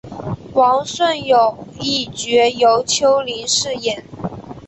王顺友一角由邱林饰演。